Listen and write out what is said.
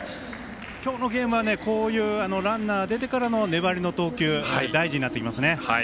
今日のゲームはこういうランナー出てからの粘りの投球大事になってきますね。